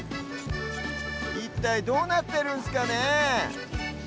いったいどうなってるんすかね。